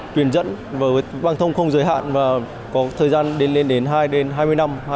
truyền dẫn và băng thông không giới hạn và có thời gian đến hai mươi năm hai mươi năm đến ba mươi năm